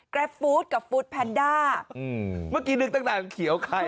ฟู้ดกับฟู้ดแพนด้าอืมเมื่อกี้นึกตั้งแต่เขียวใคร